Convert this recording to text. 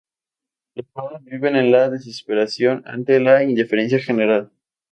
Los pueblos viven en la desesperación ante la indiferencia general.